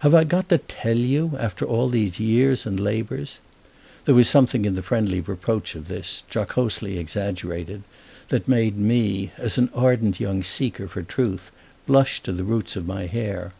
"Have I got to tell you, after all these years and labours?" There was something in the friendly reproach of this—jocosely exaggerated—that made me, as an ardent young seeker for truth, blush to the roots of my hair.